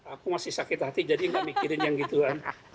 aku masih sakit hati jadi nggak mikirin yang gitu kan